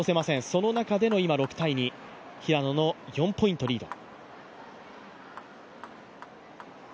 その中での今、６−２、平野の４ポイントリード。